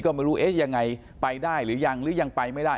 ก็ไม่รู้เอ๊ะยังไงไปได้หรือยังหรือยังไปไม่ได้